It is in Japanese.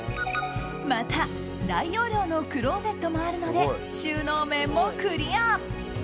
また、大容量のクローゼットもあるので収納面もクリア。